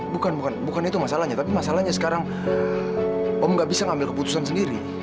bukan bukan itu masalahnya tapi masalahnya sekarang om gak bisa ngambil keputusan sendiri